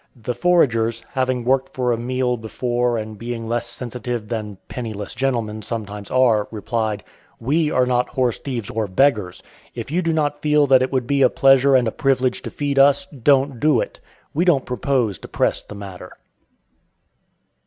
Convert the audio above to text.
The foragers, having worked for a meal before and being less sensitive than "penniless gentlemen" sometimes are, replied, "We are not horse thieves or beggars. If you do not feel that it would be a pleasure and a privilege to feed us, don't do it. We don't propose to press the matter."